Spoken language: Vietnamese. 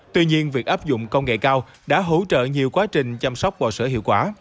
tuy nhiên việc áp dụng công nghệ cao đã hỗ trợ nhiều quá trình chăm sóc bò sữa hiệu quả